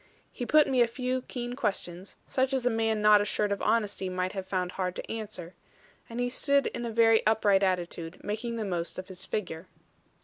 He put me a few keen questions, such as a man not assured of honesty might have found hard to answer; and he stood in a very upright attitude, making the most of his figure.